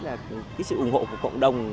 là cái sự ủng hộ của cộng đồng